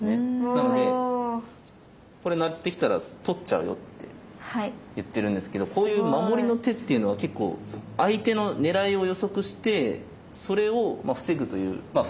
なのでこれ成ってきたら取っちゃうよっていってるんですけどこういう守りの手っていうのは結構相手の狙いを予測してそれを防ぐというまあ